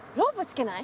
つけない？